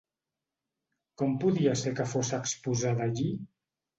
Com podia ser que fos exposada allí?